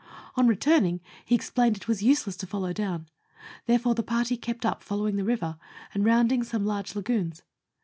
On returning, he explained it was useless to follow down ; therefore the party kept up, following the river, and rounding some large lagoons.